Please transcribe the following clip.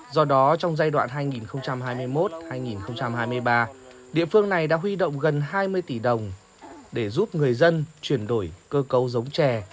do đó trong giai đoạn hai nghìn hai mươi một hai nghìn hai mươi ba địa phương này đã huy động gần hai mươi tỷ đồng để giúp người dân chuyển đổi cơ cấu giống trè